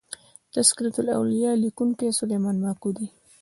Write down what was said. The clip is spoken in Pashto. " تذکرة الاولیا" لیکونکی سلیمان ماکو دﺉ.